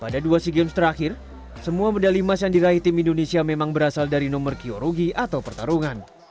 pada dua sea games terakhir semua medali emas yang diraih tim indonesia memang berasal dari nomor kyorugi atau pertarungan